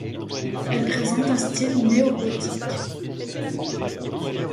Elle présente un style néo-gothique.